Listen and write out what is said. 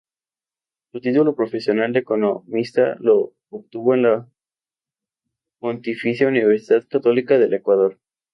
Su título profesional de economista lo obtuvo en la Pontificia Universidad Católica del Ecuador.